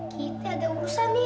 kita ada urusan ye